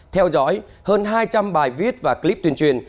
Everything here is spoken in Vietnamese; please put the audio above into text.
theo dõi hơn hai trăm linh bài viết và clip tuyên truyền